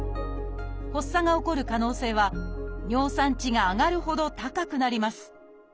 発作が起こる可能性は尿酸値が上がるほど高くなります